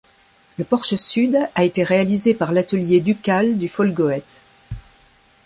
Le porche sud a été réalisé par l'atelier ducal du Folgoët.